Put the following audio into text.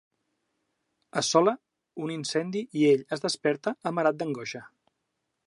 Assola un incendi i ell es desperta amarat d'angoixa.